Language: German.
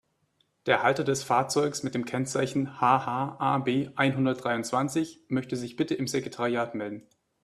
Der Halter des Fahrzeugs mit dem Kennzeichen HH-AB-einhundertdreiundzwanzig möchte sich bitte im Sekretariat melden.